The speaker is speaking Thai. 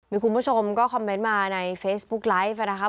มีคุณผู้ชมก็คอมเมนต์มาในเฟซบุ๊กไลฟ์นะครับ